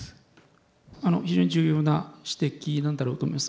非常に重要な指摘なんだろうと思います。